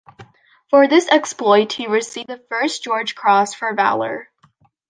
For this exploit he received the first George Cross for Valour.